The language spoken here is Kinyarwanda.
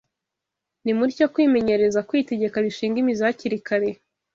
Nimutyo kwimenyereza kwitegeka bishinge imizi hakiri kare